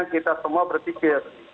kita semua berpikir